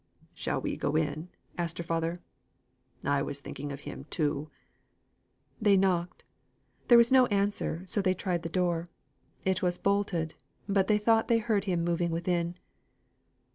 "Shall we go in?" asked her father. "I was thinking of him too." They knocked. There was no answer, so they tried the door. It was bolted, but they thought they heard him moving within.